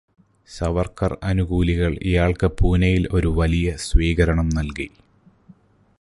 സവർക്കർ അനുകൂലികൾ ഇയാൾക്ക് പൂനെയിൽ ഒരു വലിയ സ്വീകരണം നൽകി.